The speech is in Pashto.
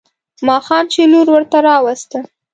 ماښام چې لور ورته راوسته.